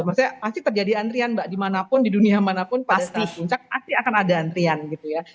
maksudnya masih terjadi antrian mbak dimanapun di dunia manapun pasti puncak pasti akan ada antrian gitu ya